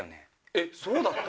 えっそうだった？